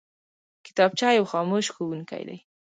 کتابچه یو خاموش ښوونکی دی